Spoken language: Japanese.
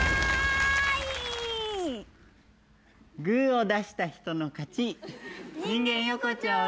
グーを出した人の勝ち。